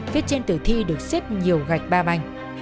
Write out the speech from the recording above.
phía trên tử thi được xếp nhiều gạch ba bành